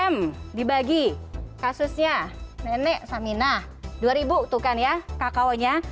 dua belas dua puluh lima m dibagi kasusnya nenek saminah dua ribu tuh kan ya kakaonya